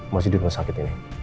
masih di rumah sakit ini